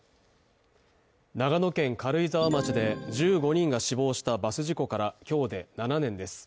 長野県軽井沢町で１５人が死亡したバス事故から今日で７年です。